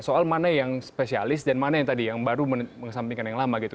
soal mana yang spesialis dan mana yang tadi yang baru mengesampingkan yang lama gitu